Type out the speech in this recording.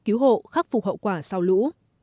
cứu hộ khắc phục hậu quả sau lũ